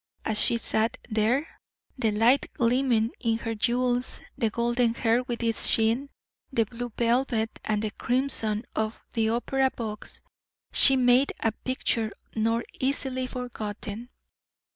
As she sat there, the light gleaming in her jewels, the golden hair with its sheen, the blue velvet and the crimson of the opera box, she made a picture not easily forgotten.